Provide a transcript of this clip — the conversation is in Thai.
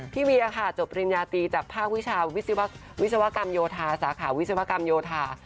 เวียค่ะจบปริญญาตรีจากภาควิชาวิศวกรรมโยธาสาขาวิศวกรรมโยธา